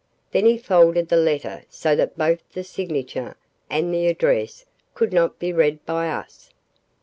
Then he folded the letter so that both the signature and the address could not be read by us.